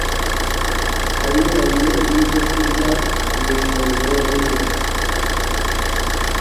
anyuranye yibyokurya mu ifunguro rimwe